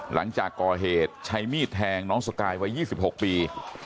หลังจากก่อเหตุใช้มีดแทงน้องสกายวัย๒๖ปี